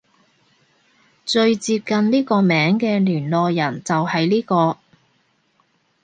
最接近呢個名嘅聯絡人就係呢個